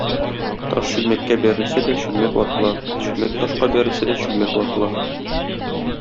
Таш чүлмәккә бәрелсә дә, чүлмәк ватыла; чүлмәк ташка бәрелсә дә, чүлмәк ватыла.